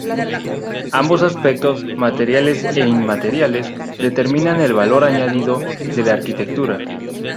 Ambos aspectos, materiales e inmateriales, determina el valor añadido de la arquitectura.